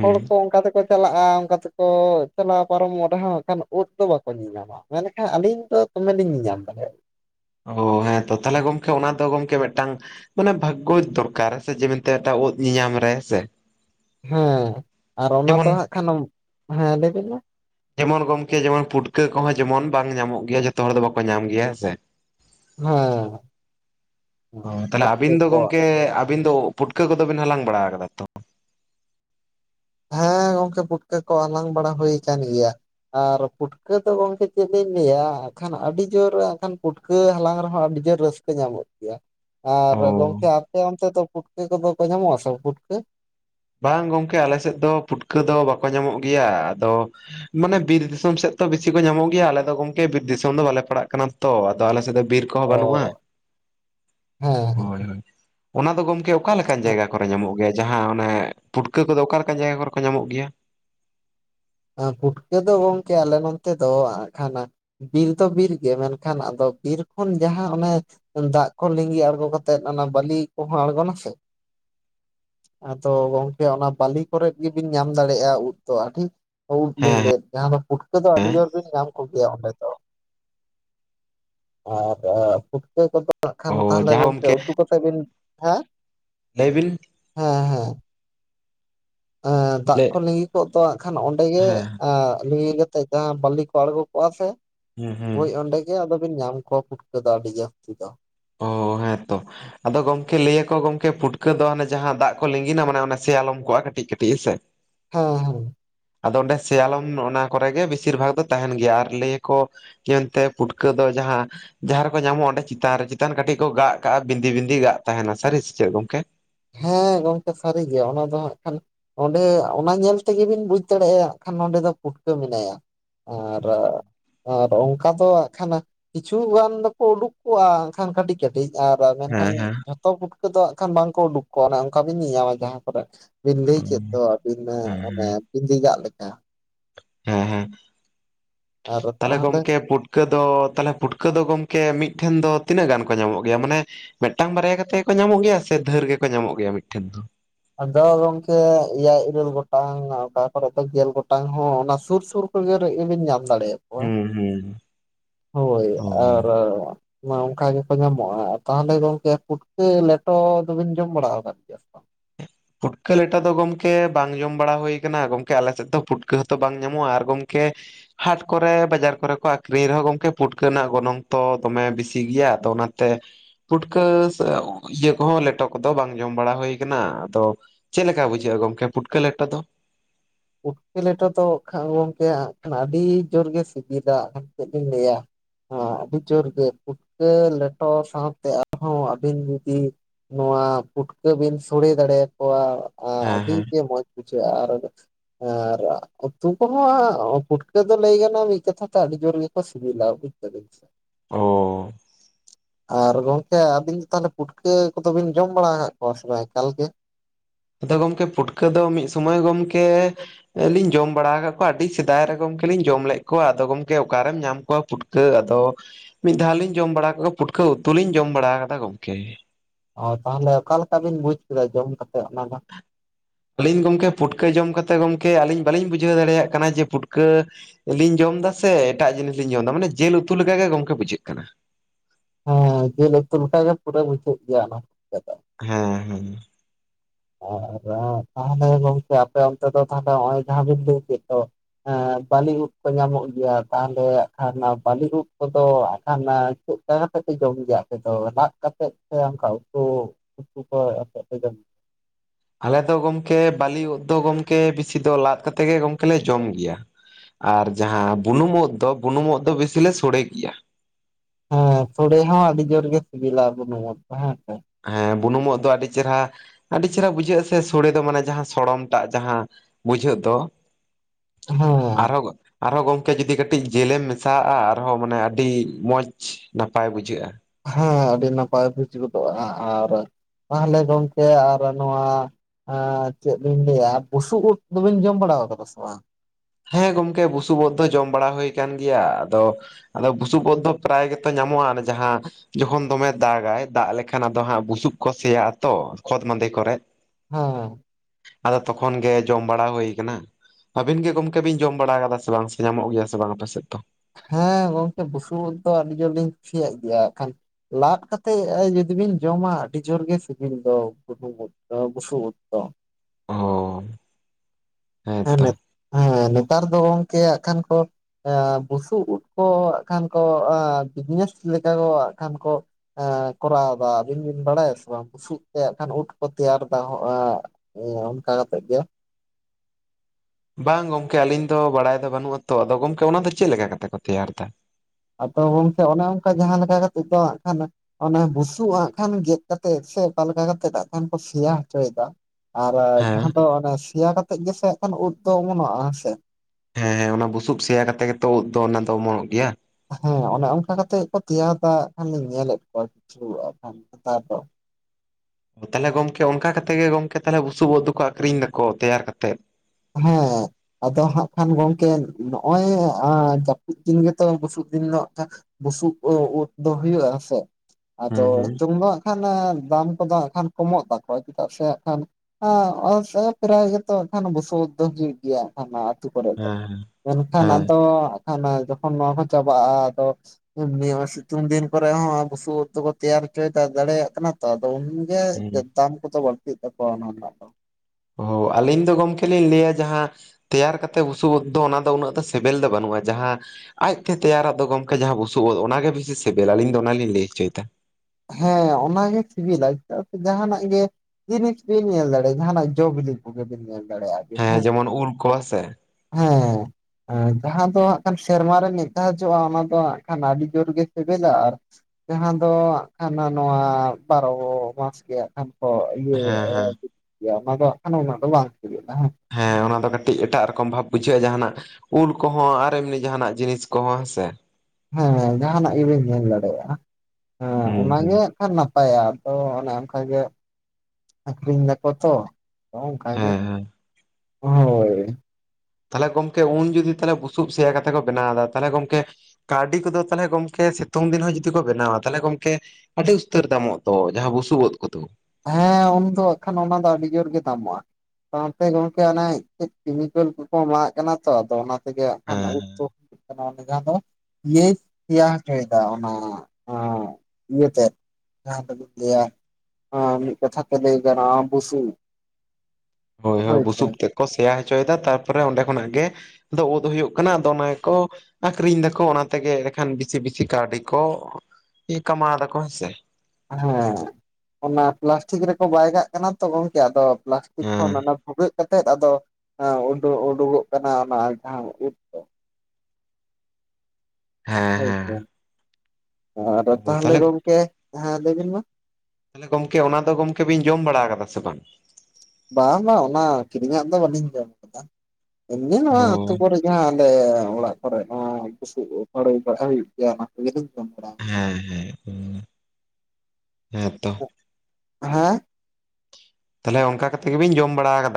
ᱦᱚᱲ ᱠᱚ ᱚᱱᱠᱟ ᱫᱚ ᱠᱚ ᱪᱟᱞᱟᱜᱼᱟ ᱚᱱᱠᱟ ᱛᱮᱠᱚ ᱪᱟᱞᱟᱣ ᱯᱟᱨᱚᱢᱚᱜ ᱨᱮᱦᱚᱸ ᱮᱱᱠᱷᱟᱱ ᱩᱫ ᱫᱚ ᱵᱟᱠᱚ ᱧᱮᱧᱟᱢᱟ᱾ ᱢᱮᱱᱠᱷᱟᱱ ᱟᱹᱞᱤᱧ ᱫᱚ ᱫᱚᱢᱮ ᱞᱤᱧ ᱧᱮᱞ ᱧᱟᱢ ᱫᱟᱲᱮᱭᱟᱜ ᱾
ᱚ ᱦᱮᱸ ᱛᱚ ᱛᱟᱦᱞᱮ ᱜᱚᱝᱠᱮ ᱚᱱᱟ ᱫᱚ ᱜᱚᱝᱠᱮ ᱢᱤᱫᱴᱟᱝ ᱢᱟᱱᱮ ᱵᱷᱟᱜᱜᱚ ᱫᱚᱨᱠᱟᱨ ᱦᱮᱸ ᱥᱮ ᱡᱮ ᱢᱮᱱᱛᱮᱫ ᱢᱮᱫᱴᱟᱝ ᱩᱫ ᱧᱮᱧᱟᱢ ᱨᱮ ᱦᱮᱸ ᱥᱮ ᱾
ᱦᱮᱸ ᱟᱨ ᱚᱱᱟ
ᱡᱮᱢᱚᱱ
ᱫᱚ ᱦᱟᱸᱜ ᱠᱷᱟᱱᱚᱢ ᱦᱮᱸ ᱞᱟᱹᱭᱵᱤᱱ ᱢᱟ?
ᱡᱮᱢᱚᱱ ᱜᱚᱝᱠᱮ ᱡᱮᱢᱚᱱ ᱯᱩᱴᱠᱟᱹ ᱠᱚᱦᱚᱸ ᱡᱮᱢᱚᱱ ᱵᱟᱝ ᱧᱟᱢᱚᱜ ᱜᱮᱭᱟ ᱡᱚᱛᱚ ᱦᱚᱲ ᱫᱚ ᱵᱟᱠᱚ ᱧᱟᱢ ᱜᱮᱭᱟ ᱦᱮᱸ ᱥᱮ ᱾
ᱦᱮᱸ
ᱛᱟᱦᱞᱮ
ᱯᱩᱴᱠᱟᱹ
ᱟᱹᱵᱤᱱ ᱫᱚ
ᱠᱚ
ᱜᱚᱝᱠᱮ ᱟᱵᱤᱱ ᱫᱚ ᱯᱩᱴᱠᱟᱹ ᱠᱚᱫᱚᱵᱤᱱ ᱦᱟᱞᱟᱝ ᱵᱟᱲᱟ ᱟᱠᱟᱫᱟ ᱛᱚ ᱾
ᱦᱮᱸ ᱜᱚᱝᱠᱮ ᱯᱷᱩᱴᱠᱟᱹ ᱠᱚ ᱦᱟᱞᱟᱝ ᱵᱟᱲᱟ ᱦᱩᱭ ᱟᱠᱟᱱ ᱜᱮᱭᱟ ᱾ ᱟᱨ ᱯᱩᱴᱠᱟᱹ ᱫᱚ ᱜᱚᱝᱠᱮ ᱪᱮᱫ ᱞᱤᱧ ᱞᱟᱹᱭᱟ ᱠᱷᱟᱱ ᱟᱹᱰᱤ ᱡᱳᱨ ᱠᱷᱟᱱ ᱯᱩᱴᱠᱟᱹ ᱦᱟᱞᱟᱝ ᱨᱮᱦᱚᱸ ᱟᱹᱰᱤ ᱡᱳᱨ ᱨᱟᱹᱥ ᱠᱟ ᱧᱟᱢᱚᱜ ᱜᱮᱭᱟ, ᱟᱨ
ᱚ
ᱜᱚᱝᱠᱮ ᱟᱯᱮ ᱚᱱᱛᱮ ᱫᱚ ᱯᱷᱩᱴᱠᱟᱹ ᱠᱚᱫᱚ ᱠᱚ ᱧᱟᱢᱚᱜ ᱟᱥᱮ ᱵᱟᱝᱜᱮ ᱯᱷᱩᱴᱠᱟᱹ?
ᱵᱟᱝ ᱜᱚᱝᱠᱮ ᱟᱞᱮ ᱥᱮᱫ ᱫᱚ ᱯᱷᱩᱴᱠᱟᱹ ᱫᱚ ᱵᱟᱠᱚ ᱧᱟᱢᱚᱜ ᱜᱮᱭᱟ ᱟᱫᱚ ᱢᱟᱱᱮ ᱵᱤᱨ ᱫᱤᱥᱚᱢ ᱥᱮᱫ ᱛᱚ ᱵᱮᱥᱤ ᱠᱚ ᱧᱟᱢᱚᱜ ᱜᱮᱭᱟ ᱟᱞᱮ ᱫᱚ ᱜᱚᱝᱠᱮ ᱵᱤᱨ ᱫᱤᱥᱚᱢ ᱫᱚ ᱵᱟᱞᱮ ᱯᱟᱲᱦᱟᱜ ᱠᱟᱱᱟ ᱛᱚ ᱟᱫᱚ ᱟᱞᱮ ᱥᱮᱫ ᱫᱚ ᱵᱤᱨ ᱠᱚᱦᱚᱸ ᱵᱟᱹᱱᱩᱜᱼᱟ
ᱚ ᱦᱮᱸ ᱦᱮᱸ
ᱦᱚᱭ ᱦᱚᱭ ᱚᱱᱟ ᱫᱚ ᱜᱚᱝᱠᱮ ᱚᱠᱟ ᱞᱮᱠᱟᱱ ᱡᱟᱭᱜᱟ ᱠᱚᱨᱮ ᱧᱟᱢᱚᱜ ᱜᱮᱭᱟ ᱡᱟᱦᱟᱸ ᱚᱱᱮ ᱯᱩᱴᱠᱟᱹ ᱠᱚᱫᱚ ᱚᱠᱟ ᱞᱮᱠᱟᱱ ᱡᱟᱭᱜᱟ ᱠᱚᱨᱮ ᱠᱚ ᱧᱟᱢᱚᱜ ᱜᱮᱭᱟ?
ᱟᱸ ᱯᱷᱩᱴᱠᱟᱹ ᱫᱚ ᱜᱚᱝᱠᱮ ᱟᱞᱮ ᱱᱚᱱᱛᱮ ᱫᱚ ᱟᱸᱜ ᱠᱷᱟᱱ ᱵᱤᱨ ᱫᱚ ᱵᱤᱨ ᱜᱮ ᱢᱮᱱᱠᱷᱟᱱ ᱟᱫᱚ ᱵᱤᱨ ᱠᱷᱚᱱ ᱡᱟᱦᱟᱸ ᱚᱱᱮ ᱫᱟᱜᱽ ᱠᱚ ᱞᱤᱸᱜᱤ ᱟᱬᱜᱚ ᱠᱟᱛᱮᱫ ᱚᱱᱟ ᱵᱟᱹᱞᱤ ᱠᱚᱦᱚᱸ ᱟᱬᱜᱚᱱᱟᱥᱮ ᱟᱫᱚ ᱜᱚᱝᱠᱮ ᱚᱱᱟ ᱵᱟᱞᱤ ᱠᱚᱨᱮ ᱜᱮᱵᱤᱱ ᱧᱟᱢ ᱫᱟᱲᱮᱭᱟᱜᱼᱟ ᱩᱫ ᱫᱚ ᱟᱹᱰᱤ ᱩᱫ
ᱦᱮᱸ
ᱞᱤᱧ
ᱦᱮᱸ
ᱞᱮᱫ ᱡᱟᱦᱟᱸ ᱫᱚ ᱯᱷᱩᱴᱠᱟᱹ ᱫᱚ ᱟᱹᱰᱤ ᱡᱳᱨ ᱵᱤᱱ ᱧᱟᱢ ᱠᱚᱜᱮᱭᱟ ᱚᱸᱰᱮ ᱫᱚ ᱾ ᱟᱨ ᱯᱷᱩᱴᱠᱟᱹ ᱠᱚᱫᱚᱜ ᱠᱷᱟᱱ
ᱚ
ᱛᱟᱦᱞᱮ
ᱡᱟᱦᱟᱸ
ᱜᱚᱝᱠᱮ
ᱜᱚᱢᱠᱮ
ᱩᱛᱩ ᱠᱟᱛᱮ ᱵᱤᱱ ᱦᱮᱸ
ᱞᱟᱹᱭ ᱵᱤᱱ
ᱦᱮᱸ ᱦᱮᱸ ᱾ ᱟᱸ ᱫᱟᱜᱽ
ᱞᱟᱹᱭ
ᱠᱚ ᱞᱤᱸᱜᱤ ᱠᱚᱜ ᱫᱚ ᱠᱷᱟᱱ ᱚᱸᱰᱮ ᱜᱮ
ᱦᱮᱸ
ᱟᱸᱜ ᱞᱤᱸᱜᱤ ᱡᱟᱦᱟᱸ ᱵᱟᱹᱞᱤ ᱠᱚ ᱟᱬᱜᱚ ᱠᱚᱜᱼᱟ ᱥᱮ
ᱦᱩᱸ ᱦᱩᱸ
ᱦᱚᱭ ᱚᱸᱰᱮ ᱟᱫᱚᱵᱤᱱ ᱠᱚᱣᱟ ᱯᱷᱩᱴᱠᱟᱹ ᱫᱚ ᱟᱹᱰᱤ ᱡᱟᱹᱥᱛᱤ ᱫᱚ ᱾
ᱚ ᱦᱮᱸ ᱛᱚ ᱾ ᱟᱫᱚ ᱜᱚᱝᱠᱮ ᱞᱟᱹᱭᱟᱠᱚ ᱜᱚᱝᱠᱮ ᱯᱷᱩᱴᱠᱟᱹ ᱫᱚ ᱦᱟᱱᱮ ᱡᱟᱦᱟᱸ ᱫᱟᱜᱽ ᱠᱚ ᱞᱤᱝᱜᱤᱱᱟ ᱢᱟᱱᱮ ᱚᱱᱟ ᱥᱮᱭᱟᱞᱚᱢ ᱠᱚᱜᱼᱟ ᱠᱟᱹᱴᱤᱡ ᱠᱟᱹᱴ ᱴᱤᱠ ᱦᱮᱸ ᱥᱮ ᱾
ᱦᱮᱸ ᱦᱮᱸ ᱾
ᱟᱫᱚ ᱚᱸᱰᱮ ᱥᱮᱭᱟᱞᱚᱢ ᱱᱚᱜ ᱱᱟ ᱠᱚᱨᱮ ᱜᱮ ᱵᱮᱥᱤᱨ ᱵᱷᱟᱜᱽ ᱫᱚ ᱛᱟᱦᱸᱮᱱ ᱜᱮᱭᱟ ᱟᱨ ᱞᱟᱹᱭᱟᱠᱚ ᱡᱮ ᱮᱱᱛᱮ ᱯᱩᱴᱠᱟᱹ ᱫᱚ ᱡᱟᱦᱟᱸ ᱡᱟᱦᱟᱸ ᱨᱮᱠᱚ ᱧᱟᱢᱚᱜᱼᱟ ᱚᱸᱰᱮ ᱪᱮᱛᱟᱱ ᱨᱮ ᱪᱮᱛᱟᱱ ᱠᱟᱹᱴᱤᱡ ᱠᱚ ᱜᱟᱜ ᱠᱟᱜᱼᱟ ᱵᱤᱸᱫᱤ ᱵᱤᱸᱫᱤ ᱜᱟᱜ ᱛᱟᱦᱮᱸᱱᱟ ᱥᱟᱹᱨᱤ ᱥᱮ ᱪᱮᱫ ᱜᱚᱝᱠᱮ ᱾
ᱦᱮᱸ ᱜᱚᱝᱠᱮ ᱥᱟᱹᱨᱤᱜᱮ ᱚᱱᱟ ᱦᱟᱸᱜ ᱠᱷᱟᱱ ᱚᱸᱰᱮ ᱚᱱᱟ ᱧᱮᱞ ᱛᱮᱜᱮᱵᱤᱱ ᱵᱩᱡᱽ ᱫᱟᱲᱮᱭᱟᱜᱼᱟ ᱠᱷᱟᱱ ᱱᱚᱸᱰᱮ ᱫᱚ ᱯᱷᱩᱴᱠᱟᱹ ᱢᱮᱱᱟᱭᱟ ᱾ ᱟᱨ ᱟᱨ ᱚᱝ ᱠᱟ ᱫᱚ ᱠᱷᱟᱱ ᱠᱤᱪᱷᱩ ᱜᱟᱱ ᱫᱚᱠᱚ ᱩᱰᱩᱠ ᱠᱚᱜᱼᱟ ᱮᱱᱠᱷᱟᱱ ᱠᱟᱹᱴᱤᱡ ᱠᱟᱹᱴᱤᱡ ᱟᱨ ᱢᱮᱱᱠᱷᱟᱱ
ᱦᱮᱸ ᱦᱮᱸ
ᱡᱷᱚᱛᱚ ᱯᱷᱩᱴᱠᱟᱹ ᱫᱚ ᱦᱟᱸᱜ ᱠᱷᱟᱱ ᱵᱟᱝᱠᱚ ᱩᱰᱩᱠ ᱠᱚᱜᱼᱟ ᱚᱱᱮ ᱚᱱᱠᱟ ᱵᱤᱱ ᱧᱮᱧᱟᱢᱟ ᱡᱟᱦᱟᱸ ᱠᱚᱨᱮ ᱵᱤᱱ ᱞᱟᱹᱭ ᱠᱮᱫ ᱫᱚ
ᱦᱮᱸ
ᱟᱹᱵᱤᱱ ᱚᱱᱮ
ᱦᱮᱸ
ᱵᱤᱸᱫᱤ ᱜᱟᱜᱽ ᱞᱮᱠᱟ ᱾
ᱦᱮᱸ ᱦᱮᱸ
ᱟᱨ
ᱛᱟᱦᱞᱮ
ᱛᱟᱦᱚᱞᱮ
ᱜᱚᱝᱠᱮ ᱯᱩᱴ ᱠᱟᱹ ᱫᱚ ᱛᱟᱦᱞᱮ ᱯᱷᱩᱴᱠᱟᱹ ᱫᱚ ᱜᱚᱝᱠᱮ ᱢᱤᱫᱴᱷᱮᱱ ᱫᱚ ᱛᱤᱱᱟᱹᱜ ᱜᱟᱱ ᱠᱚ ᱧᱟᱢᱚᱜ ᱜᱮᱭᱟ ᱢᱟᱱᱮ ᱢᱤᱫᱴᱟᱝ ᱵᱟᱨᱭᱟ ᱠᱟᱛᱮᱜ ᱜᱮ ᱠᱚ ᱧᱟᱢᱚᱜ ᱜᱮᱭᱟ ᱥᱮ ᱫᱷᱟᱹᱨ ᱜᱮᱠᱚ ᱧᱟᱢᱚᱜ ᱜᱮᱭᱟ ᱢᱤᱫᱴᱷᱮᱱ ᱫᱚ ᱾
ᱟᱫᱚ ᱜᱚᱝᱠᱮ ᱮᱭᱟᱭ ᱤᱨᱟᱹᱞ ᱜᱚᱴᱟᱝ ᱚᱠᱟ ᱠᱚᱨᱮ ᱫᱚ ᱜᱮᱞ ᱜᱚᱴᱟᱝ ᱦᱚᱸ ᱚᱱᱟ ᱥᱩᱨ ᱥᱩᱨ ᱥᱩᱨ ᱜᱮ ᱤᱧ ᱫᱩᱧ ᱧᱟᱢ ᱫᱟᱲᱮᱭᱟ ᱠᱚᱣᱟ
ᱦᱩᱸ ᱦᱩᱸ
ᱦᱚᱭ
ᱚ
ᱟᱨ ᱢᱟ ᱚᱱᱠᱟ ᱜᱮᱠᱚ ᱧᱟᱢᱚᱜᱼᱟ ᱛᱟᱦᱞᱮ ᱜᱟᱝᱠᱮ ᱯᱷᱩᱴᱠᱟᱹ ᱞᱮᱴᱚ ᱫᱚᱵᱤᱱ ᱡᱚᱢ ᱵᱟᱲᱟ ᱟᱠᱟᱫ <inaudible>
ᱯᱷᱩᱴᱠᱟᱹ ᱞᱮᱴᱟ ᱫᱚ ᱜᱚᱢᱠᱮ ᱵᱟᱝ ᱡᱚᱢ ᱵᱟᱲᱟ ᱦᱩᱭ ᱠᱟᱱᱟ, ᱜᱚᱝᱠᱮ ᱟᱞᱮ ᱥᱮᱫ ᱫᱚ ᱯᱷᱩᱴᱠᱟᱹ ᱦᱚᱸᱛᱚ ᱵᱟᱝ ᱧᱟᱢᱚᱜᱼᱟ ᱟᱨ ᱜᱚᱢᱠᱮ ᱦᱟᱴ ᱠᱚᱨᱮ ᱵᱟᱡᱟᱨ ᱠᱚᱨᱮ ᱠᱚ ᱟᱠᱷᱨᱤᱧ ᱨᱮᱦᱚᱸ ᱜᱚᱝᱠᱮ ᱯᱩᱴᱠᱟᱹ ᱨᱮᱱᱟᱜ ᱜᱚᱱᱚᱝ ᱛᱚ ᱫᱚᱢᱮ ᱵᱤᱥᱤ ᱜᱮᱭᱟ ᱟᱫᱚ ᱚᱱᱟᱛᱮ ᱯᱷᱩᱴᱠᱟᱹ ᱥᱮ ᱤᱭᱟᱹ ᱠᱚᱦᱚᱸ ᱞᱮᱴᱚ ᱠᱚᱫᱚ ᱵᱟᱝ ᱡᱚᱢ ᱵᱟᱲᱟ ᱦᱩᱭ ᱟᱠᱟᱱᱟ᱾ ᱟᱫᱚ ᱪᱮᱫ ᱞᱮᱠᱟ ᱵᱩᱡᱷᱟᱹᱜᱼᱟ ᱜᱚᱢᱠᱮ ᱯᱷᱩᱴᱠᱟᱹ ᱞᱮᱴᱟ ᱫᱚ?
ᱩᱴᱠᱮ ᱞᱮᱴᱚ ᱫᱚᱚ ᱠᱷᱟ ᱜᱚᱝᱠᱮ ᱦᱟᱸᱜ ᱠᱷᱟᱱ ᱟᱹᱰᱤ ᱡᱳᱨ ᱜᱮ ᱥᱤᱵᱤᱞᱟ᱾ ᱟᱨ ᱪᱮᱫ ᱞᱤᱧ ᱞᱟᱹᱭᱟ? ᱦᱟᱸ ᱟᱹᱰᱤ ᱡᱳᱨ ᱜᱮ ᱯᱷᱩᱴᱠᱟᱹ ᱞᱮᱴᱚ ᱥᱟᱶᱛᱮ ᱟᱨᱦᱚᱸ ᱟᱹᱵᱤᱱ ᱡᱩᱫᱤ ᱱᱚᱣᱟ ᱯᱩᱴᱠᱟᱹ ᱵᱤᱱ ᱥᱚᱲᱮ ᱫᱟᱲᱮᱭᱟᱠᱚᱣᱟ ᱮᱸ
ᱦᱮᱸ
ᱟᱹᱰᱤ
ᱦᱮᱸ
ᱜᱮ ᱢᱚᱡᱽ ᱵᱩᱡᱷᱟᱹᱜ-ᱟ ᱟᱨ ᱟᱨ ᱩᱛᱩ ᱠᱚᱦᱚᱸ ᱯᱷᱩᱴᱠᱟᱹ ᱫᱚ ᱞᱟᱹᱭ ᱜᱟᱱᱚᱜ-ᱟ ᱢᱤᱫ ᱠᱟᱛᱷᱟ ᱛᱮ ᱟᱹᱰᱤ ᱡᱳᱨ ᱜᱮ ᱠᱚ ᱥᱤᱵᱤᱞᱟ, ᱵᱩᱡᱽ ᱫᱟᱵᱤᱱ ᱥᱮ᱾
ᱚ
ᱟᱨ ᱜᱚᱝᱠᱮ ᱟᱵᱤᱱ ᱫᱚ ᱛᱟᱦᱞᱮ ᱯᱩᱴᱠᱟᱹ ᱠᱚᱫᱚ ᱵᱤᱱ ᱡᱚᱢ ᱵᱟᱲᱟ ᱠᱟᱜ ᱠᱚᱣᱟ ᱥᱮ ᱵᱟᱝ ᱮᱠᱟᱞ ᱜᱮ?
ᱟᱫᱚ ᱜᱚᱢᱠᱮ ᱯᱩᱴᱠᱟᱹ ᱫᱚ ᱢᱤᱫ ᱥᱚᱢᱚᱭ ᱜᱚᱢᱠᱮ ᱮᱸ ᱞᱤᱧ ᱡᱚᱢ ᱵᱟᱲᱟ ᱠᱟᱜ ᱠᱚᱣᱟ ᱟᱹᱰᱤ ᱥᱮᱫᱟᱭ ᱨᱮ ᱜᱚᱢᱠᱮ ᱞᱤᱧ ᱡᱚᱢ ᱞᱮᱫ ᱠᱚᱣᱟ ᱟᱫᱚ ᱜᱚᱢᱠᱮ ᱚᱠᱟᱨᱮᱢ ᱧᱟᱢ ᱠᱚᱣᱟ ᱯᱩᱴ ᱠᱟᱹ ᱟᱫᱚ ᱢᱤᱫ ᱫᱷᱟᱣ ᱞᱤᱧ ᱡᱚᱢ ᱵᱟᱲᱟ ᱠᱚ ᱜᱮ ᱯᱩᱴᱠᱟᱹ ᱩᱛᱩ ᱞᱤᱧ ᱡᱚᱢ ᱵᱟᱲᱟ ᱟᱠᱟᱫᱟ ᱜᱚᱝᱠᱮ᱾
ᱚ ᱛᱟᱦᱚᱞᱮ ᱚᱠᱟ ᱞᱮᱠᱟ ᱵᱤᱱ ᱵᱩᱡᱽ ᱠᱮᱫᱟ ᱡᱚᱢ ᱠᱟᱛᱮᱫ ᱚᱱᱟ ᱫᱚ?
ᱟᱹᱞᱤᱧ ᱜᱚᱢᱠᱮ ᱯᱩᱴᱠᱟᱹ ᱡᱚᱢ ᱠᱟᱛᱮ ᱜᱚᱝᱠᱮ ᱟᱹᱞᱤᱧ ᱵᱟᱹᱞᱤᱧ ᱵᱩᱡᱷᱟᱹᱣ ᱫᱟᱲᱮᱭᱟᱜ ᱠᱟᱱᱟ ᱡᱮ ᱯᱩᱴᱠᱟᱹ ᱟᱹᱞᱤᱧ ᱡᱚᱢ ᱫᱟ ᱥᱮ ᱮᱴᱟᱜ ᱡᱤᱱᱤᱥ ᱞᱤᱧ ᱡᱚᱢ ᱫᱟ ᱢᱟᱱᱮ ᱡᱮᱞ ᱩᱛᱩ ᱞᱮᱠᱟ ᱜᱮ ᱜᱚᱝᱠᱮ ᱵᱩᱡᱷᱟᱹᱜ ᱠᱟᱱᱟ᱾
ᱦᱮᱸ ᱡᱤᱞ ᱩᱛᱩ ᱞᱮᱠᱟ ᱜᱮ ᱯᱩᱨᱟᱹ ᱵᱩᱡᱷᱟᱹᱜ ᱜᱮᱭᱟ ᱚᱱᱟ <inaudible> ᱫᱚ᱾
ᱦᱮᱸ ᱦᱮᱸ᱾
ᱟᱨ ᱛᱟᱦᱞᱮ ᱜᱚᱝᱠᱮ ᱟᱯᱮ ᱚᱱᱛᱮ ᱫᱚ ᱛᱟᱦᱞᱮ ᱦᱚᱸᱜ-ᱚᱭ ᱡᱟᱦᱟᱸ ᱵᱤᱱ ᱞᱟᱹᱭ ᱠᱮᱜ ᱫᱚ ᱦᱮᱸ ᱵᱟᱹᱞᱤ ᱩᱫ ᱠᱚ ᱧᱟᱢᱚᱜ ᱜᱮᱭᱟ ᱛᱟᱦᱚᱞᱮ ᱠᱷᱟᱱ ᱵᱟᱹᱞᱤ ᱩᱫ ᱠᱚᱫᱚ ᱟᱠᱷᱟᱱ ᱪᱮᱫ ᱠᱟ ᱠᱟᱛᱮᱜ ᱯᱮ ᱡᱚᱢ ᱜᱮᱭᱟ ᱟᱯᱮ ᱫᱚ, ᱞᱟᱫ ᱠᱟᱛᱮᱜ ᱥᱮ ᱚᱱᱠᱟ ᱩᱛᱩ ᱩᱛᱩ ᱠᱚ <inaudible> ᱯᱮ ᱡᱚᱢ?
ᱟᱞᱮ ᱫᱚ ᱜᱚᱢᱠᱮ ᱵᱟᱹᱞᱤ ᱩᱫᱽ ᱫᱚ ᱜᱚᱢᱠᱮ ᱵᱤᱥᱤ ᱫᱚ ᱞᱟᱫ ᱠᱟᱛᱮ ᱜᱮ ᱜᱚᱝᱠᱮ ᱞᱮ ᱡᱚᱢ ᱜᱤᱭᱟ᱾ ᱟᱨ ᱡᱟᱦᱟᱸ ᱵᱩᱱᱩᱢ ᱩᱫ ᱫᱚ ᱵᱩᱱᱩᱢ ᱩᱫ ᱫᱚ ᱵᱤᱥᱤ ᱞᱮ ᱥᱳᱲᱮ ᱜᱤᱭᱟ᱾
ᱦᱮᱸ ᱥᱳᱲᱮ ᱦᱚᱸ ᱟᱹᱰᱤ ᱡᱳᱨ ᱜᱮ ᱥᱤᱵᱤᱞᱟ ᱵᱩᱱᱩᱢ ᱩᱫ ᱫᱚ, ᱦᱮᱸ ᱥᱮ?
ᱦᱮᱸ ᱵᱩᱱᱩᱢ ᱩᱫ ᱫᱚ ᱟᱹᱰᱤ ᱪᱮᱨᱦᱟ ᱟᱹᱰᱤ ᱪᱮᱨᱦᱟ ᱵᱩᱡᱷᱟᱹᱜ-ᱟ ᱥᱮ ᱥᱳᱲᱮ ᱫᱚ ᱢᱟᱱᱮ ᱡᱟᱦᱟᱸ ᱥᱚᱲᱚᱢ ᱴᱟᱜ ᱡᱟᱦᱟᱸ ᱵᱩᱡᱷᱟᱹᱜ ᱫᱚ᱾
ᱦᱮᱸ
ᱟᱨᱦᱚᱸ ᱟᱨᱦᱚᱸ ᱜᱚᱝᱠᱮ ᱡᱩᱫᱤ ᱠᱟᱹᱴᱤᱡ ᱡᱮᱞᱮᱢ ᱢᱮᱥᱟᱣᱟᱜ-ᱟ ᱟᱨᱦᱚᱸ ᱢᱟᱱᱮ ᱟᱹᱰᱤ ᱢᱚᱡᱽ ᱱᱟᱯᱟᱭ ᱵᱩᱡᱷᱟᱹᱜᱼᱟ᱾
ᱦᱮᱸ ᱟᱹᱰᱤ ᱱᱟᱯᱟᱭ ᱵᱩᱡᱽ ᱜᱚᱫᱚᱜ-ᱟ ᱟᱨ ᱛᱟᱦᱚᱞᱮ ᱜᱚᱝᱠᱮ ᱟᱨ ᱱᱚᱣᱟ ᱟᱨ ᱪᱮᱫ ᱞᱤᱧ ᱞᱟᱹᱭᱟ ᱵᱩᱥᱩᱵ ᱩᱫ ᱫᱚᱵᱤᱱ ᱡᱚᱢ ᱵᱟᱲᱟᱣ ᱟᱠᱟᱫᱟ ᱥᱮ ᱵᱟᱝ?
ᱦᱮᱸ ᱜᱚᱢᱠᱮ ᱵᱩᱥᱩᱵ ᱩᱫ ᱡᱚᱢ ᱵᱟᱲᱟ ᱦᱳᱭ ᱠᱟᱱ ᱜᱤᱭᱟ ᱟᱫᱚ ᱟᱫᱚ ᱵᱩᱥᱩᱵ ᱩᱫ ᱫᱚ ᱯᱨᱟᱭ ᱜᱮᱛᱚ ᱧᱟᱢᱚᱜᱼᱟ ᱚᱱᱟ ᱡᱟᱦᱟᱸ ᱡᱚᱠᱷᱚᱱ ᱫᱚᱢᱮ ᱫᱟᱜᱟᱭ ᱫᱟᱜ ᱞᱮᱠᱷᱟᱱ ᱟᱫᱚ ᱦᱟᱸᱜ ᱵᱩᱥᱩᱵ ᱠᱚ ᱥᱮᱭᱟᱜ-ᱟ ᱛᱚ ᱠᱷᱚᱛ ᱢᱟᱸᱫᱮ ᱠᱚᱨᱮᱜ᱾
ᱦᱮᱸ᱾
ᱟᱫᱚ ᱛᱚᱠᱷᱚᱱ ᱜᱮ ᱡᱚᱢ ᱵᱟᱲᱟ ᱦᱩᱭ ᱠᱟᱱᱟ᱾ ᱟᱵᱤᱱ ᱜᱚᱢ ᱠᱮ ᱵᱤᱧ ᱡᱚᱢ ᱵᱟᱲᱟ ᱠᱟᱫᱟ ᱥᱮ ᱵᱟᱝ ᱥᱮ ᱧᱟᱢᱚᱜ ᱜᱮᱭᱟ ᱥᱮ ᱵᱟᱝ ᱟᱯᱮ ᱥᱮᱜ ᱫᱚ?
ᱦᱮᱸ ᱜᱚᱝᱠᱮ ᱵᱩᱥᱩᱵ ᱩᱫ ᱫᱚ ᱟᱹᱰᱤ ᱡᱳᱨ ᱞᱤᱧ ᱠᱩᱥᱤᱭᱟᱜ ᱜᱮᱭᱟ ᱠᱷᱟᱱ ᱞᱟᱫ ᱠᱟᱛᱮᱜ ᱮ ᱡᱩᱫᱤ ᱵᱤᱱ ᱡᱚᱢᱟ ᱟᱹᱰᱤ ᱡᱳᱨ ᱜᱮ ᱥᱤᱵᱤᱞ ᱫᱚ ᱵᱩᱥᱩᱵ ᱩᱫ ᱫᱚ ᱵᱩᱥᱩᱵ ᱩᱫ ᱫᱚ᱾
ᱚ
ᱦᱮᱸ
ᱦᱮᱸᱛᱚ
ᱱᱮᱛ ᱦᱮᱸ ᱱᱮᱛᱟᱨ ᱫᱚ ᱜᱚᱝᱠᱮ ᱟᱠᱷᱟᱱ ᱠᱚ ᱮᱸ ᱵᱩᱥᱩᱵ ᱩᱫ ᱠᱚ‌ ᱟᱠᱷᱟᱱ ᱠᱚ ᱵᱤᱡᱽᱱᱮᱥ ᱞᱮᱠᱟ ᱠᱚ ᱟᱠᱷᱟᱱ ᱠᱚ ᱮ ᱠᱚᱨᱟᱣ ᱫᱟ ᱟᱵᱤᱱ ᱵᱤᱱ ᱵᱟᱲᱟᱭᱟ ᱥᱮ ᱵᱟᱝ ᱵᱩᱥᱩᱵ ᱛᱮ ᱠᱷᱟᱱ ᱩᱫ ᱠᱚ ᱛᱮᱭᱟᱨ ᱫᱟ ᱮᱸ ᱮᱸ ᱚᱱᱠᱟ ᱠᱟᱛᱮᱜ ᱜᱮ᱾
ᱵᱟᱝ ᱜᱚᱢᱠᱮ ᱟᱞᱤᱧ ᱫᱚ ᱵᱟᱲᱟᱭ ᱫᱚ ᱵᱟᱹᱱᱩᱜ ᱟᱛᱚ, ᱟᱫᱚ ᱜᱚᱢᱠᱮ ᱚᱱᱟ ᱫᱚ ᱪᱮᱫ ᱞᱮᱠᱟ ᱠᱟᱛᱮ ᱠᱚ ᱛᱮᱭᱟᱨ ᱫᱟ?
ᱟᱫᱚ ᱜᱚᱝᱠᱮ ᱚᱱᱮ ᱚᱝᱠᱟ ᱡᱟᱸᱦᱟ ᱞᱮᱠᱟ ᱠᱟᱛᱮᱜ ᱫᱚ ᱦᱟᱸᱜ ᱠᱷᱟᱱ᱾ ᱚᱱᱮ ᱵᱩᱥᱩᱵ ᱟᱸᱜ ᱠᱷᱟᱱ ᱜᱮᱫ ᱠᱟᱛᱮᱫ ᱥᱮ ᱚᱠᱟ ᱞᱮᱠᱟ ᱠᱟᱛᱮᱫ ᱟᱜ ᱠᱷᱟᱱ ᱠᱚ ᱥᱮᱭᱟ ᱦᱚᱪᱚᱭ ᱫᱟ᱾ ᱟᱨ ᱡᱟᱸᱦᱟ
ᱦᱮᱸ
ᱫᱚ ᱚᱱᱮ ᱥᱮᱭᱟ ᱠᱟᱛᱮᱜ ᱜᱮᱥᱮ ᱟᱸᱜ ᱠᱷᱟᱱ ᱩᱫ ᱫᱚ ᱚᱢᱚᱱᱚᱜ-ᱟ ᱦᱮᱸ ᱥᱮ᱾
ᱦᱮᱸ ᱦᱮᱸ ᱚᱱᱟ ᱵᱩᱥᱩᱵ ᱥᱮᱭᱟ ᱠᱟᱛᱮ ᱜᱮᱛᱚ ᱩᱫ ᱫᱚ ᱚᱱᱟ ᱫᱚ ᱚᱢᱚᱱᱚᱜ ᱜᱮᱭᱟ᱾
ᱦᱮᱸ ᱚᱱᱮ ᱚᱝᱠᱟ ᱠᱟᱛᱮᱜ ᱜᱮᱠᱚ ᱛᱮᱭᱟᱨ ᱫᱟ ᱠᱷᱟᱱ ᱞᱤᱧ ᱧᱮᱞᱮᱜ ᱠᱚᱣᱟ ᱠᱤᱪᱷᱩ ᱟᱜ ᱠᱷᱟᱱ ᱱᱮᱛᱟᱨ ᱫᱚ᱾
ᱛᱟᱞᱦᱮ ᱜᱚᱢᱠᱮ ᱚᱱᱠᱟ ᱠᱟᱛᱮ ᱜᱮ ᱜᱚᱢᱠᱮ ᱛᱟᱦᱞᱮ ᱵᱩᱥᱩᱵ ᱩᱫ ᱫᱚᱠᱚ ᱟᱠᱷᱨᱤᱧ ᱫᱟᱠᱚ ᱛᱮᱭᱟᱨ ᱠᱟᱛᱮᱫ᱾
ᱦᱮᱸ᱾ ᱟᱫᱚ ᱦᱟᱸᱜ ᱠᱷᱟᱱ ᱜᱚᱝᱠᱮ ᱱᱚᱜ-ᱚᱭ ᱟᱸ ᱡᱟᱯᱩᱫ ᱫᱤᱱ ᱜᱮᱛᱚ ᱵᱩᱥᱩᱯ ᱫᱤᱱ ᱫᱚ ᱟᱸᱜ ᱛᱟ ᱵᱩᱥᱩᱵ ᱳ ᱩᱫ ᱫᱚ ᱦᱩᱭᱩᱜ-ᱟ ᱥᱮ ᱟᱫᱚ
ᱦᱩᱸ ᱦᱩᱸ
ᱩᱛᱩᱝ ᱫᱚ᱾ ᱠᱷᱟᱱ ᱟᱻ ᱫᱟᱢ ᱠᱚᱫᱚ ᱦᱟᱸᱜ ᱠᱷᱟᱱ ᱠᱚᱢᱚᱜ ᱛᱟᱠᱚᱣᱟ ᱪᱮᱫᱟᱜ ᱥᱮ ᱟᱸᱜ ᱠᱷᱟᱱ᱾ <unintelligible> ᱯᱨᱟᱭ ᱜᱮᱛᱚ ᱟᱸᱜ ᱠᱷᱟᱱ ᱵᱩᱥ ᱳᱫᱽ ᱫᱚ ᱦᱩᱭᱩᱜ ᱜᱮᱭᱟ ᱟᱸᱜ ᱠᱷᱟᱱ ᱟᱛᱩ ᱠᱚᱨᱮᱜ ᱫᱚ
ᱦᱮᱸ
ᱢᱮᱱᱠᱷᱟᱱ
ᱦᱮᱸ
ᱟᱫᱚ᱾ ᱦᱟᱱᱟ ᱡᱚᱠᱷᱚᱱ ᱱᱚᱣᱟ ᱠᱚ ᱪᱟᱵᱟᱜ-ᱟ ᱟᱫᱚ᱾ ᱮᱢᱱᱤ ᱚᱸᱜ-ᱚ ᱥᱤᱛᱩᱝ ᱫᱤᱱ ᱠᱚᱨᱮ ᱦᱚᱸ ᱵᱩᱥᱩᱵ ᱩᱫ ᱫᱚᱠᱚ ᱛᱮᱭᱟᱨ ᱦᱚᱪᱚᱭ ᱫᱟ ᱫᱟᱲᱮᱭᱟᱜ ᱠᱟᱱᱟ ᱛᱚ ᱟᱫᱚ ᱩᱱ᱾ ᱜᱮ
ᱦᱮᱸ
ᱪᱮᱫ ᱫᱟᱢ ᱠᱚᱫᱚ ᱵᱟᱲᱛᱤᱜ ᱛᱟᱠᱚᱣᱟ ᱚᱱᱟ ᱨᱮᱱᱟᱜ ᱫᱚ᱾
ᱦᱳ ᱟᱞᱤᱧ ᱫᱚ ᱜᱚᱢᱠᱮ ᱞᱤᱧ ᱞᱟᱹᱭᱟ ᱡᱟᱸᱦᱟ᱾ ᱛᱮᱭᱟᱨ ᱠᱟᱛᱮ ᱵᱩᱥᱩᱵ ᱳᱫ ᱫᱚ ᱚᱱᱟ ᱫᱚ ᱩᱱᱟᱹᱜ ᱫᱚ ᱥᱮᱵᱮᱞ ᱫᱚ ᱵᱟᱹᱱᱩᱜ-ᱟ ᱡᱟᱸᱦᱟ᱾ ᱟᱡ ᱛᱮ ᱛᱮᱭᱟᱨᱟᱜ ᱫᱚ ᱜᱚᱢᱠᱮ ᱡᱟᱸᱦᱟ ᱵᱩᱥᱩᱵ ᱳᱫ ᱚᱱᱟᱜᱮ ᱵᱮᱥᱤ ᱥᱮᱵᱮᱞᱟ ᱟᱞᱤᱧ ᱫᱚ ᱚᱱᱟᱞᱤᱧ ᱞᱟᱹᱭ ᱦᱚᱪᱚᱭ ᱫᱟ᱾
ᱦᱮᱸ ᱚᱱᱟᱜᱮ ᱥᱤᱵᱤᱞᱟ ᱪᱮᱫᱟᱜ ᱥᱮ ᱡᱟᱦᱟᱱᱟᱜ ᱜᱮ᱾ ᱡᱤᱱᱤᱥ ᱵᱤᱱ ᱧᱮᱞ ᱫᱟᱲᱮᱜ ᱡᱟᱦᱟᱱᱟᱜ ᱡᱚ ᱵᱤᱞᱤ ᱠᱚᱜᱮᱵᱤᱱ ᱧᱮᱞ ᱫᱟᱲᱮᱜ-ᱟ᱾
ᱦᱮᱸ ᱡᱮᱢᱚᱱ ᱩᱞ ᱠᱚ ᱦᱮᱥᱮ᱾
ᱦᱮᱸ ᱦᱮᱸ᱾ ᱡᱟᱸᱦᱟ ᱫᱚ ᱦᱟᱸᱜ ᱠᱷᱟᱱ ᱥᱮᱨᱢᱟ ᱨᱮ ᱢᱮᱜ ᱫᱷᱟᱣ ᱡᱚᱜ-ᱟ ᱚᱱᱟ ᱫᱚ ᱦᱟᱸᱜ ᱠᱷᱟᱱ ᱟᱰᱤ ᱡᱳᱨ ᱜᱮ ᱥᱮᱵᱮᱞᱟ ᱟᱨ᱾ ᱡᱟᱸᱦᱟ ᱫᱚ᱾ ᱦᱟᱱᱟ ᱱᱚᱣᱟ ᱵᱟᱨᱚ ᱢᱟᱥ ᱜᱮ ᱟᱸᱜ ᱠᱷᱟᱱ ᱠᱚ ᱤᱭᱟᱹ ᱮᱸ᱾
ᱦᱮᱸ ᱦᱮᱸ
<unintelligible> ᱡᱮ ᱚᱱᱟ ᱫᱚ ᱟᱜ ᱠᱷᱟᱱ ᱩᱱᱟᱹᱜ ᱫᱚ ᱵᱟᱝ᱾ <unintelligible>
ᱦᱮᱸ ᱚᱱᱟ ᱫᱚ ᱠᱟᱴᱤᱡ ᱮᱴᱟᱜ ᱨᱚᱠᱚᱢ ᱵᱷᱟᱵ ᱵᱩᱡᱷᱟᱹᱜ-ᱟ ᱡᱟᱦᱟᱱᱟᱜ᱾ ᱩᱞ ᱠᱚᱦᱚᱸ ᱟᱨ ᱮᱢᱱᱤ ᱡᱟᱦᱟᱱᱟᱜ ᱡᱤᱱᱤᱥ ᱠᱚᱦᱚᱸ ᱦᱮᱸᱥᱮ᱾
ᱦᱮᱸ ᱦᱮᱸ ᱡᱟᱦᱟᱱᱟᱜ ᱜᱮᱵᱤᱱ ᱧᱮᱞ ᱫᱟᱲᱮᱜ-ᱟ ᱦᱮᱸ
ᱦᱩᱸ ᱦᱩᱸ
ᱚᱱᱟᱜᱮ᱾ ᱠᱷᱟᱱ ᱱᱟᱯᱟᱭᱚᱜ-ᱟ ᱟᱫᱚ ᱚᱱᱮ ᱚᱝᱠᱟ ᱜᱮ ᱟᱠᱷᱨᱤᱧ ᱫᱟᱠᱚ ᱛᱚ᱾ ᱚᱸᱜ-ᱚᱝᱠᱟ ᱜᱮ
ᱦᱮᱸ ᱦᱮᱸ
ᱦᱳᱭ᱾
ᱛᱟᱦᱞᱮ ᱜᱚᱢᱠᱮ ᱩᱱ ᱡᱩᱫᱤ ᱛᱟᱦᱞᱮ ᱵᱩᱥᱩᱵ ᱥᱮᱭᱟ ᱠᱟᱛᱮ ᱠᱚ ᱵᱮᱱᱟᱣ ᱫᱟ ᱛᱟᱦᱞᱮ ᱜᱚᱢᱠᱮ᱾ ᱠᱟᱣᱰᱤ ᱠᱚᱫᱚ ᱛᱟᱦᱞᱮ ᱜᱚᱢᱠᱮ ᱥᱤᱛᱩᱝ ᱫᱤᱱ ᱦᱚᱸ ᱡᱩᱫᱤ ᱠᱚ ᱵᱮᱱᱟᱣᱟ ᱛᱟᱦᱞᱮ ᱜᱚᱢᱠᱮ᱾ ᱟᱰᱤ ᱩᱥᱛᱟᱹᱨ ᱫᱟᱢᱚᱜ ᱫᱚ ᱡᱟᱸᱦᱟ ᱵᱩᱥᱩᱵ ᱳᱫ ᱠᱚᱫᱚ᱾
ᱦᱮᱸ ᱩᱱᱫᱚ ᱟᱜ ᱠᱷᱟᱱ ᱚᱱᱟ ᱫᱚ ᱟᱰᱤ ᱡᱳᱨ ᱜᱮ ᱫᱟᱢᱚᱜ-ᱟ᱾ ᱥᱟᱶᱛᱮ ᱜᱚᱝᱠᱮ ᱚᱱᱮ ᱪᱮᱫ ᱠᱮᱢᱤᱠᱮᱞ ᱠᱚᱠᱚ ᱮᱢᱟ ᱟᱜ ᱠᱟᱱᱟ ᱛᱚ ᱟᱫᱚ ᱚᱱᱟ᱾
ᱦᱮᱸ
<unintelligible> ᱚᱱᱮ ᱡᱟᱸᱦᱟ ᱫᱚ᱾ ᱤᱭᱟᱹ ᱛᱮᱭᱟᱨ ᱦᱚᱪᱚᱭ ᱫᱟ ᱚᱱᱟ ᱟᱸ ᱤᱭᱟᱹᱛᱮ᱾ ᱡᱟᱸᱦᱟ ᱫᱚ ᱢᱤᱫ ᱜᱮᱭᱟᱭ᱾ ᱟᱸ ᱢᱤᱫ ᱠᱟᱛᱷᱟ ᱛᱮ ᱞᱟᱹᱭ ᱜᱟᱱᱚᱜ-ᱟ ᱵᱩᱥᱩᱵ᱾
ᱦᱳᱭ ᱦᱳᱭ ᱵᱩᱥᱩᱵ ᱛᱮᱜ ᱠᱚ ᱥᱮᱭᱟ ᱦᱚᱪᱚᱭ ᱫᱟ ᱛᱟᱨᱯᱚᱨᱮ ᱚᱸᱰᱮ ᱠᱷᱚᱱᱟᱜ ᱜᱮ᱾ ᱟᱫᱚ ᱳᱫ ᱦᱩᱭᱩᱜ ᱠᱟᱱᱟ ᱟᱫᱚ ᱚᱱᱟ ᱜᱮᱠᱚ᱾ ᱟᱠᱷᱨᱤᱧ ᱫᱟᱠᱚ ᱚᱱᱟ ᱛᱮᱜᱮ ᱮᱰᱮᱠᱷᱟᱱ ᱵᱤᱥᱤ ᱵᱤᱥᱤ ᱠᱟᱣᱰᱤ ᱠᱚ ᱠᱟᱢᱟᱣ ᱫᱟᱠᱚ ᱦᱮᱸ ᱥᱮ᱾
ᱦᱮᱸ ᱚᱱᱟ ᱯᱞᱟᱥᱴᱤᱠ ᱨᱮᱠᱚ ᱵᱟᱭ ᱠᱟᱜ ᱠᱟᱱᱟ ᱛᱚ ᱜᱚᱢᱠᱮ ᱟᱫᱚ᱾ ᱯᱞᱟᱥᱴᱤᱠ ᱦᱚᱸ
ᱦᱮᱸ
ᱱᱟᱱᱟ ᱵᱷᱩᱜᱟᱹᱜ᱾ ᱠᱟᱛᱮᱫ ᱟᱫᱚ ᱩᱰᱩᱠᱚᱜ ᱠᱟᱱᱟ ᱚᱱᱟ ᱡᱟᱦᱟᱸ ᱩᱫᱽ ᱫᱚ
ᱦᱮᱸ᱾
ᱟᱪ
ᱦᱮᱸ
ᱟᱨ ᱛᱟᱦᱚᱞᱮ ᱜᱚᱢᱠᱮ? ᱦᱮ ᱞᱟᱹᱭᱵᱤᱱ ᱢᱟ᱾
ᱛᱟᱦᱚᱞᱮ ᱜᱚᱝᱠᱮ ᱚᱱᱟᱫᱚ ᱜᱚᱝᱠᱮ ᱵᱤᱱ ᱡᱚᱢ ᱵᱟᱲᱟ ᱟᱠᱟᱫᱟ ᱥᱮ ᱵᱟᱝ?
ᱵᱟᱝ ᱵᱟᱝ ᱚᱱᱟ ᱠᱤᱨᱤᱧᱟᱜ ᱫᱚ ᱵᱟᱹᱞᱤᱧ ᱡᱚᱢ ᱟᱠᱟᱫᱟ ᱮᱢᱱᱤ ᱱᱚᱣᱟ ᱟᱹᱛᱩ
ᱚ
ᱠᱚᱨᱮ ᱟᱞᱮ ᱚᱲᱟᱜ ᱠᱚᱨᱮ ᱱᱚᱣᱟ ᱵᱩᱥᱩᱵ ᱯᱟᱲᱳᱭ ᱠᱚᱨᱮ ᱦᱩᱭᱩᱜ ᱜᱮᱭᱟ ᱚᱱᱟ ᱠᱚᱜᱮᱞᱤᱧ ᱡᱚᱢ ᱵᱟᱲᱟ ᱟᱠᱟᱫᱟ᱾
ᱦᱮᱸ ᱦᱮᱸ ᱦᱮᱸ ᱦᱮᱸᱛᱚ᱾
ᱦᱮᱸ᱾
ᱛᱟᱦᱚᱞᱮ ᱚᱱᱠᱟ ᱠᱟᱛᱮᱜ ᱜᱮᱵᱤᱱ ᱡᱚᱢ ᱵᱟᱲᱟ ᱟᱠᱟᱫᱟ?